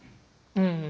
うん。